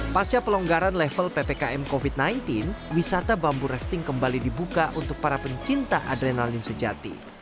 pasca pelonggaran level ppkm covid sembilan belas wisata bambu rafting kembali dibuka untuk para pencinta adrenalin sejati